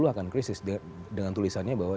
akan krisis dengan tulisannya bahwa